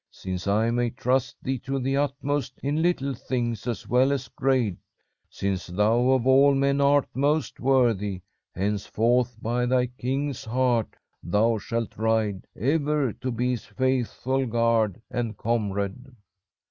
Since I may trust thee to the utmost in little things as well as great, since thou of all men art most worthy, henceforth by thy king's heart thou shalt ride, ever to be his faithful guard and comrade.'